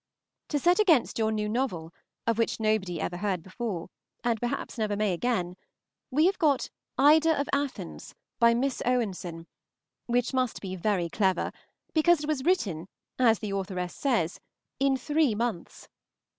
To set against your new novel, of which nobody ever heard before, and perhaps never may again, we have got "Ida of Athens," by Miss Owenson, which must be very clever, because it was written, as the authoress says, in three months.